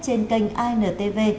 trên kênh antv